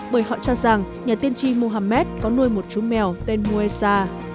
bởi họ cho rằng nhà tiên tri muhammad có nuôi một chú mèo tên muesa